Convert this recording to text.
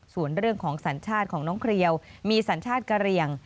ส่วนเรื่องของสัญชาติของน้องเครียวมีสัญชาติกะเรียง